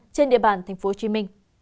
trên địa bàn tp hcm